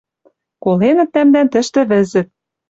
Коленӹт тӓмдӓн тӹштӹ вӹзӹт».